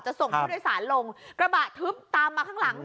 ส่งผู้โดยสารลงกระบะทึบตามมาข้างหลัง